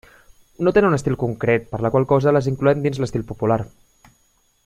No tenen un estil concret per la qual cosa les incloem dins l'estil popular.